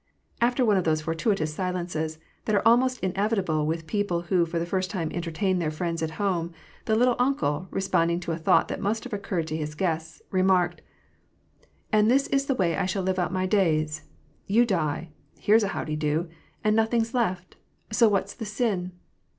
After one of those fortuitous silences, that are almost inevitable with people who for the first time entertain their friends at home, the " little uncle," responding to a thought that must have occurred to his guests, remarked, —" And this is the way I shall live out my days. You die — here's a how de do! — and nothing is left. So what's the sin?"